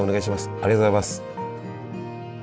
ありがとうございます。